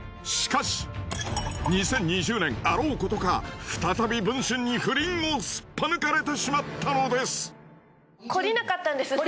しかし２０２０年あろうことか再び文春に不倫をすっぱ抜かれてしまったのです。